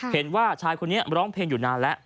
เห็นว่าชายคนนี้ร้องเพลงอยู่นานแล้ว